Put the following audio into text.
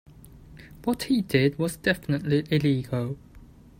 What he did was definitively illegal.